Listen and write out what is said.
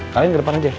kalian ke depan aja